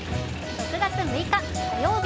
６月６日火曜日